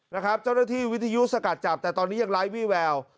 นะครับเจ้าหน้าที่วิทยุสกัดจับแต่ตอนนี้ยังไร้วี่แวว